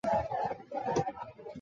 同年医疗大楼落成启用。